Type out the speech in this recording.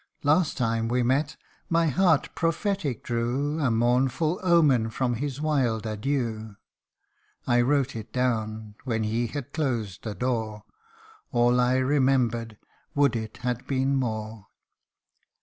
Last time we met, my heart prophetic drew A mournful omen from his wild adieu : I wrote it down, when he had closed the door. All I remembered would it had been more